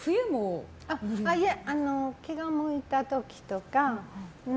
気が向いた時とか。